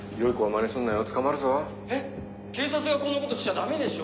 警察がこんなことしちゃダメでしょ！